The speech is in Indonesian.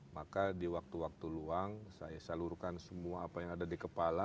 maka di waktu waktu luang saya salurkan semua apa yang ada di kepala